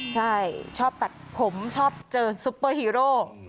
ใช่ชอบตัดผมชอบเจอซุปเปอร์ฮีโร่